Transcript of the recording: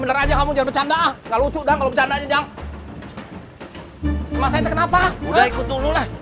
bener aja kamu jadwal anda ah nggak lucu dan bercanda jangan masa itu kenapa udah ikut dulu